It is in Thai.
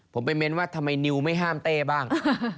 ผมไปเน้นว่าทำไมนิวไม่ห้ามเต้บ้าง